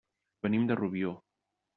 Venim de Rubió.